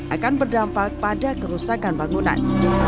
akan berdampak pada kerusakan bangunan